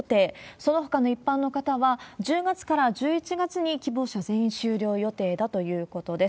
そのほかの一般の方は、１０月から１１月に希望者全員終了予定だということです。